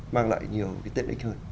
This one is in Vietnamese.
mang lại nhiều cái tên ích hơn